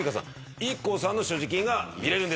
ＩＫＫＯさんの所持金が見れるんです。